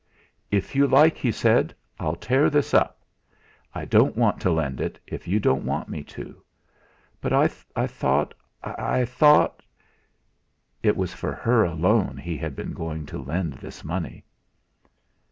"If you like," he said, "I'll tear this up. I don't want to lend it, if you don't want me to; but I thought I thought " It was for her alone he had been going to lend this money!